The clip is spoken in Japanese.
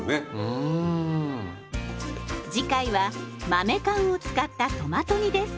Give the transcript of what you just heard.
次回は豆缶を使ったトマト煮です。